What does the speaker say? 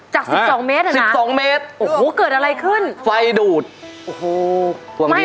จาก๑๒เมตรน่ะโอ้โหเกิดอะไรขึ้นไฟดูดโอ้โหส่วนดี